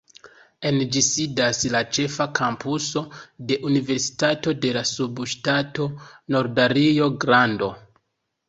En ĝi sidas la ĉefa kampuso de Universitato de la Subŝtato Norda Rio-Grando.